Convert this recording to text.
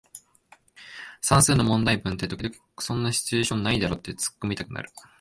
算数の問題文って時々そんなシチュエーションないだろってツッコミたくなる